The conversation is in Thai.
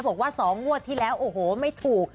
บอกว่า๒งวดที่แล้วโอ้โหไม่ถูก